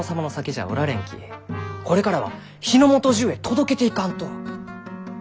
これからは日の本じゅうへ届けていかんと。